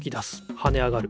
はね上がる。